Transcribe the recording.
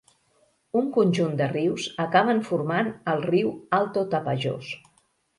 Un conjunt de rius acaben formant el riu Alto Tapajós.